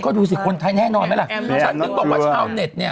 ก็ดูสิคนไทยแน่นอนไหมล่ะฉันถึงบอกว่าชาวเน็ตเนี่ย